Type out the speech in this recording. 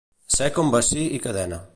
Ser com bací i cadena.